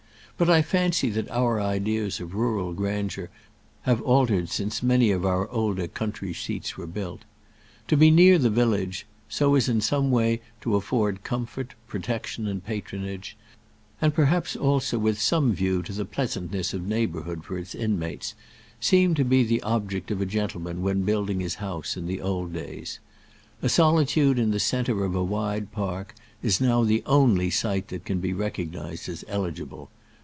But I fancy that our ideas of rural grandeur have altered since many of our older country seats were built. To be near the village, so as in some way to afford comfort, protection, and patronage, and perhaps also with some view to the pleasantness of neighbourhood for its own inmates, seemed to be the object of a gentleman when building his house in the old days. A solitude in the centre of a wide park is now the only site that can be recognized as eligible.